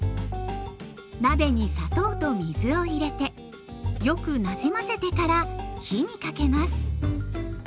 鍋に砂糖と水を入れてよくなじませてから火にかけます。